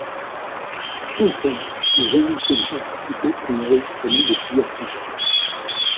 Enfin, des invités ont participé pour l'enregistrement de plusieurs pistes.